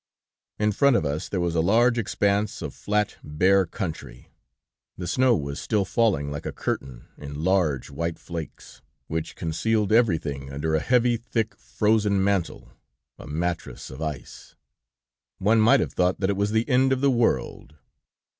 "In front of us, there was a large expanse of flat, bare country; the snow was still falling like a curtain, in large, white flakes, which concealed everything under a heavy, thick, frozen mantle, a mattress of ice. One might have thought that it was the end of the world.